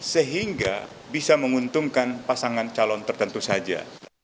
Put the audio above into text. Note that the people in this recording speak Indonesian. sehingga bisa menguntungkan pasangan calon tertentu saja